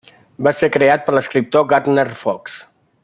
Va ser creat per l'escriptor Gardner Fox.